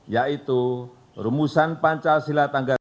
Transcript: yaitu rumusan pancasila tanggal ke tiga